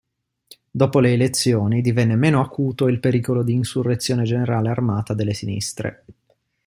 Dopo le elezioni divenne meno acuto il pericolo di insurrezione generale armata delle sinistre.